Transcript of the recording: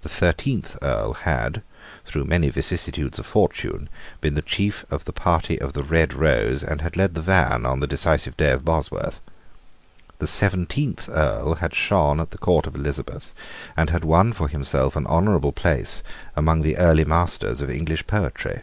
The thirteenth Earl had, through many vicissitudes of fortune, been the chief of the party of the Red Rose, and had led the van on the decisive day of Bosworth. The seventeenth Earl had shone at the court of Elizabeth, and had won for himself an honourable place among the early masters of English poetry.